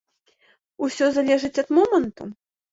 Усё залежыць ад моманту?